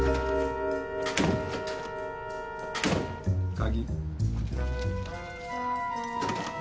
鍵。